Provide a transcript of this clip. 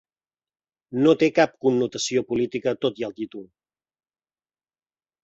No té cap connotació política tot i el títol.